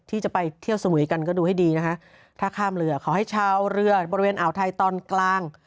ที่จะไปเที่ยวสมุยกันก็ดูให้ดีนะคะถ้าข้ามเรือขอให้ชาวเรือบริเวณอ่าวไทยตอนกลาง